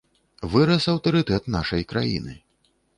Вырас аўтарытэт нашай краіны.